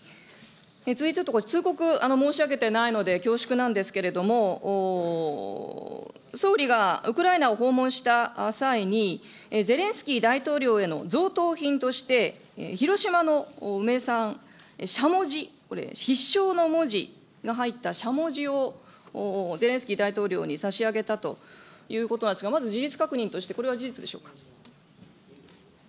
続いてちょっと、通告申し上げてないので、恐縮なんですけれども、総理がウクライナを訪問した際に、ゼレンスキー大統領への贈答品として、広島の名産、しゃもじ、これ必勝の文字が入ったしゃもじをゼレンスキー大統領に差し上げたということなんですが、まず事実確認として、これは事実でしょ